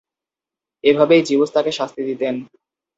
এভাবেই জিউস তাকে শাস্তি দিতেন।